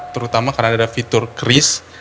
terutama karena ada fitur kris